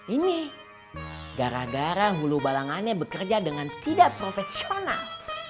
ini gara gara hulu balangannya bekerja dengan tidak profesional